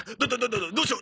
どどうしよう！